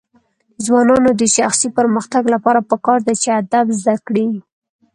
د ځوانانو د شخصي پرمختګ لپاره پکار ده چې ادب زده کړي.